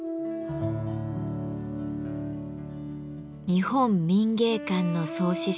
日本民藝館の創始者